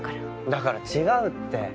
だから違うって。